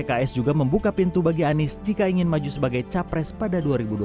pks juga membuka pintu bagi anies jika ingin maju sebagai capres pada dua ribu dua puluh